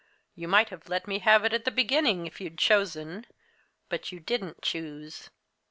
You might have let me have it at the beginning, if you'd chosen but you didn't choose.